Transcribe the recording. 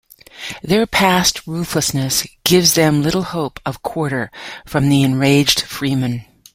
Their past ruthlessness gives them little hope of quarter from the enraged Fremen.